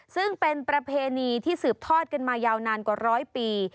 ซึ่งเป็นประเพณีที่สืบทอดกันมายาวนานกว่าร้อยปี